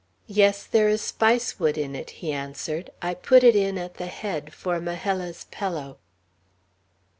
"Yes, there is spice wood in it," he answered. "I put it in at the head, for Majella's pillow."